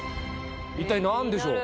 一体何でしょう？